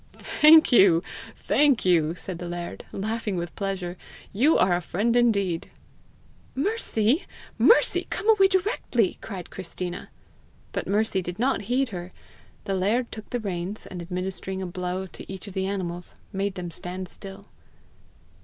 "Thank you, thank you!" said the laird, laughing with pleasure. "You are a friend indeed!" "Mercy! Mercy! come away directly," cried Christina. But Mercy did not heed her. The laird took the reins, and administering a blow each to the animals, made them stand still.